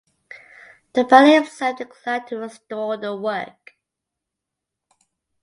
Dobell himself declined to restore the work.